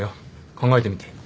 考えてみて。